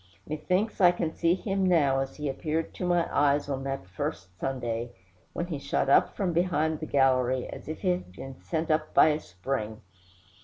Methinks I can see him now as he appeared to my eyes on that first Sunday, when he shot up from behind the gallery, as if he had been sent up by a spring.